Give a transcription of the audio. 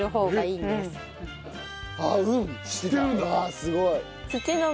すごい！